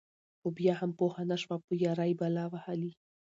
خو بيا هم پوهه نشوه په يــارۍ بلا وهــلې.